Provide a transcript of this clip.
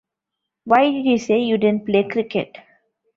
Why did you say you didn't play cricket?